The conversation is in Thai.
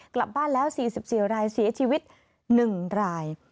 กลับบ้านแล้ว๔๔รายเสียชีวิต๑ราย